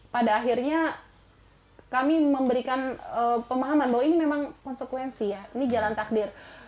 pada akhirnya kami memberikan pemahaman bahwa ini memang konsekuensi ya ini jalan takdir